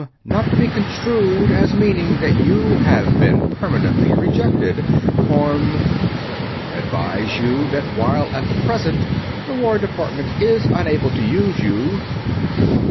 Not to be construed as meaning that you have been permanently rejected ... Form ... Advise you that while at the present time the War Department is unable to use you...."